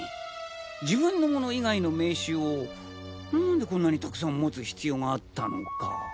自分のもの以外の名刺を何でこんなにたくさん持つ必要があったのか。